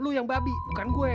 lu yang babi bukan gue